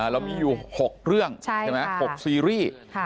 เรามีอยู่๖เรื่อง๖ซีรีส์